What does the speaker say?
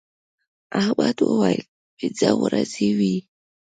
احمد وويل: پینځه ورځې وې.